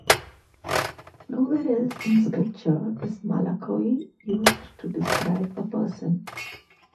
Nowhere else in scripture is Malakoi used to describe a person.